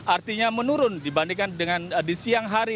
artinya menurun dibandingkan dengan di siang hari